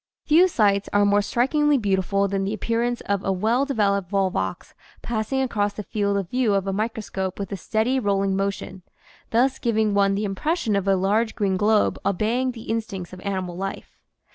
Few sights are more strikingly beautiful than the appearance of a well developed volvox passing across the field of view of a microscope with a steady rolling motion, thus giving one the impression of a large green globe obeying the instincts, of animal life.